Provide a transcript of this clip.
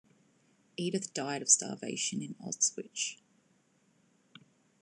Edith died of starvation in Auschwitz.